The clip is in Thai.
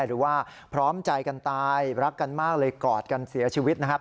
หรือว่าพร้อมใจกันตายรักกันมากเลยกอดกันเสียชีวิตนะครับ